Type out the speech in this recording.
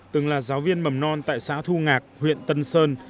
từng là giáo viên mầm non tại xã thu ngạc huyện tân sơn